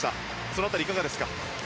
その辺り、いかがですか？